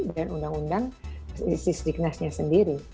dan undang undang sisbiknasnya sendiri